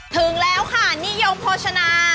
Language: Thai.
ถึงแล้วค่ะนิยมโภชนา